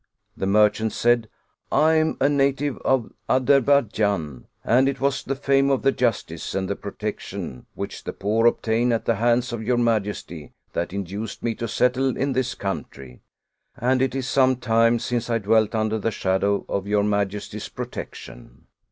The merchant said: " I am a native of Aderbaijan, and it was the fame of the justice and protection which the poor obtain at the hands of your majesty that induced me to settle in this coun try, and it is some time since I dwelt under the shadow of your majesty's protection.